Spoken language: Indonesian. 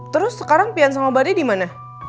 terus sekarang pian sama bade dimana